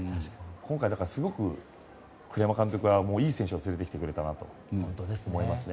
今回すごく栗山監督がいい選手を連れてきてくれたと思いますね。